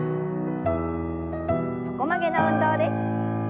横曲げの運動です。